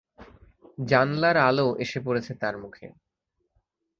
জানলার আলো এসে পড়েছে তার মুখে।